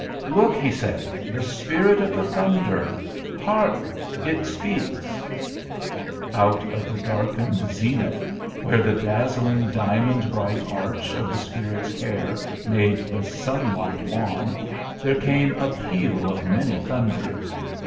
"Look!" he said, "the Spirit of the Thunder! Hark! It speaks!" Out of the darkened zenith, where the daz zling diamond bright arch of the Spirit's hair made the daylight wan, there came a peal of many thunders.